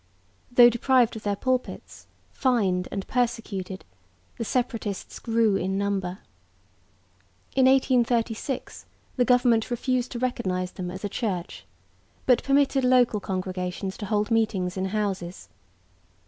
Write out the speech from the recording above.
Though deprived of their pulpits, fined and persecuted, the Separatists grew in number. In 1836 the government refused to recognise them as a Church, but permitted local congregations to hold meetings in houses.